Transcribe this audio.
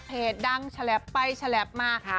ดังฉลับไปฉลับมา